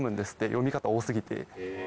読み方多過ぎて。